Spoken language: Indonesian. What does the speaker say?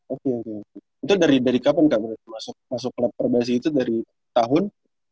oke oke itu dari kapan kak masuk klub perbasih itu dari tahun